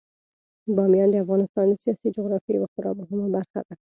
بامیان د افغانستان د سیاسي جغرافیې یوه خورا مهمه برخه ده.